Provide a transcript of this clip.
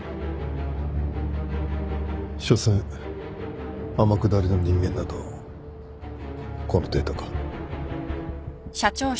しょせん天下りの人間などこの程度か。